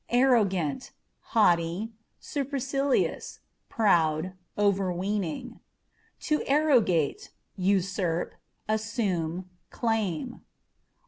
Arrogantâ€" haughty, supercilious, proud, overweening. To Arrogate â€" usurp, assume, claim.